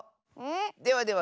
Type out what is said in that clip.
ではでは